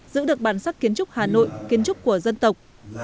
giữ được bản sắc kiến trúc hà nội kiến trúc của dân tộc